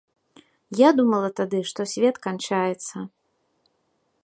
Я думала тады, што свет канчаецца.